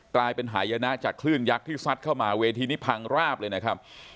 กลายเป็นหายนะจากคลื่นยักษ์ที่ซัดเข้ามาเวทีนี้พังราบเลยนะครับ